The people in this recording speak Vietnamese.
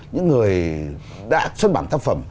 những người đã xuất bản tác phẩm